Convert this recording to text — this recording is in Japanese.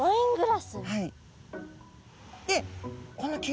はい。